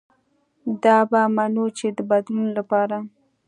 دا به منو چې د بدلون له پاره